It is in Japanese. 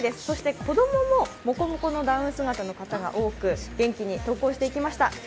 そして子供も、もこもこのダウン姿の方が多く、元気に登校していきました。